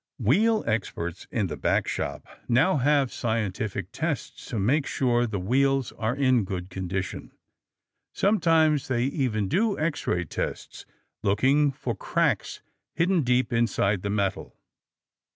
Wheel experts in the backshop now have scientific tests to make sure that wheels are in good condition. Sometimes they even do X ray tests, looking for cracks hidden deep inside the metal!